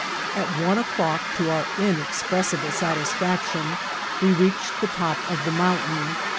At one o'clock, to our inexpressible satisfaction, we reached the top of the mountain.